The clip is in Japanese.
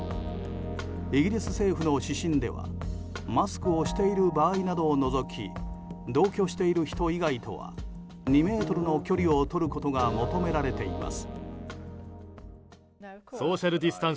イギリス政府の指針ではマスクをしている場合などを除き同居している人以外とは２ｍの距離をとることが求められています。